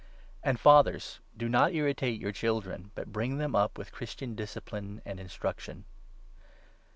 And fathers, do 4 not irritate your children, but bring them up with Christian discipline and instruction.